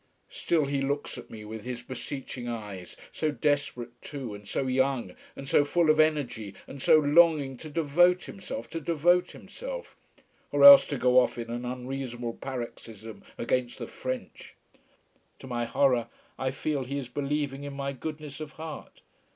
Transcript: Still he looks at me with his beseeching eyes so desperate too and so young and so full of energy and so longing to devote himself to devote himself: or else to go off in an unreasonable paroxysm against the French. To my horror I feel he is believing in my goodness of heart.